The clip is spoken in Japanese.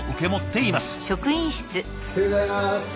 おはようございます！